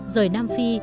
rời nam phi